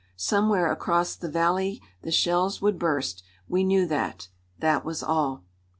Somewhere across the valley the shells would burst, we knew that; that was all.